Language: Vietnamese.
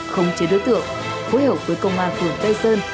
không chế đối tượng phối hợp với công an phường tây sơn